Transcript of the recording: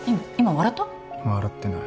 笑ってない。